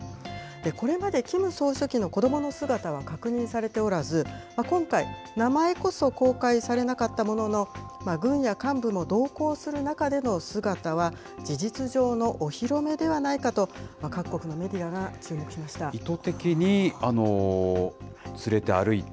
これまで、キム総書記の子どもの姿は確認されておらず、今回、名前こそ公開されなかったものの、軍や幹部も同行する中での姿は、事実上のお披露目ではないかと、各国のメディアが注目しました。